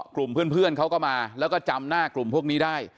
กลุ่มเพื่อนเขาก็มาแล้วก็จำหน้ากลุ่มพวกนี้ได้